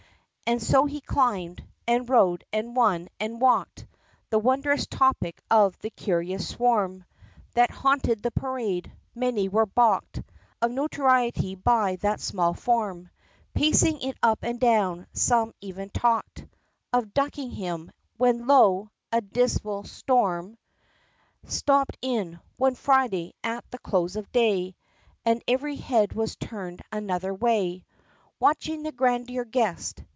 And so he climbed and rode and won and walked, The wondrous topic of the curious swarm That haunted the Parade. Many were balked Of notoriety by that small form Pacing it up and down: some even talked Of ducking him when lo! a dismal storm Stopped in one Friday, at the close of day And every head was turned another way Watching the grander guest.